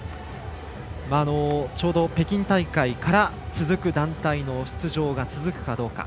ちょうど北京大会から続く団体の出場が続くかどうか。